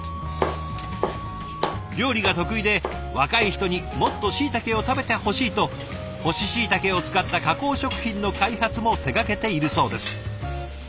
料理が得意で若い人にもっとしいたけを食べてほしいと乾しいたけを使った加工食品の開発も手がけているそうです。